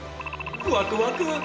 ワクワク！